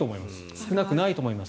少なくないと思います。